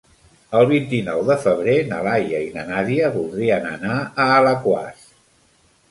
El vint-i-nou de febrer na Laia i na Nàdia voldrien anar a Alaquàs.